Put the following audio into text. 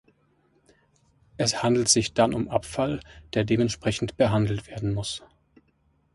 Es handelt sich dann um Abfall, der dementsprechend behandelt werden muss.